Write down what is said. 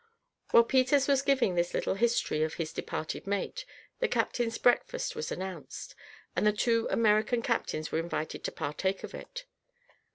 While Peters was giving this little history of his departed mate, the captain's breakfast was announced, and the two American captains were invited to partake of it.